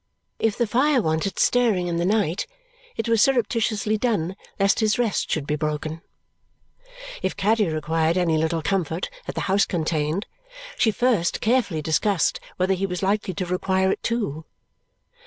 If the fire wanted stirring in the night, it was surreptitiously done lest his rest should be broken. If Caddy required any little comfort that the house contained, she first carefully discussed whether he was likely to require it too.